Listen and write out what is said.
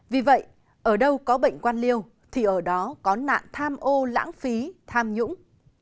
vì vậy ở đâu có bệnh quan liêu thì ở đó có nạn tham ô lãng phí tham nhũng